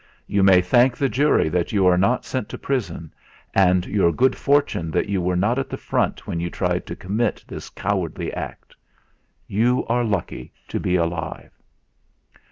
You may thank the jury that you are not sent to prison, and your good fortune that you were not at the front when you tried to commit this cowardly act. You are lucky to be alive."